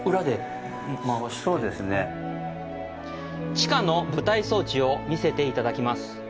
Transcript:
地下の舞台装置を見せていただきます。